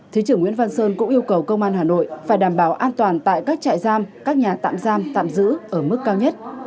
thứ trưởng nguyễn văn sơn cũng yêu cầu công an hà nội phải đảm bảo an toàn tại các trại giam các nhà tạm giam tạm giữ ở mức cao nhất